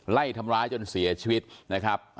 ไล่ทำร้ายจนเสียชีวิตนะครับ